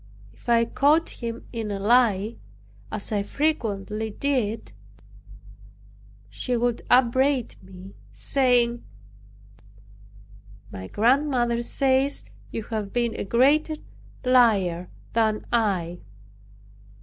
If I caught him in a lie, as I frequently did, he would upbraid me, saying, "My grandmother says you have been a greater liar than I."